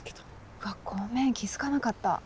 うわっごめん気付かなかった。